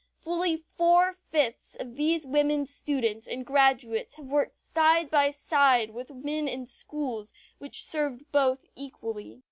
Fully four fifths of these women students and graduates have worked side by side with men in schools which served both equally.